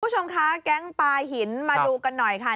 คุณผู้ชมคะแก๊งปลาหินมาดูกันหน่อยค่ะ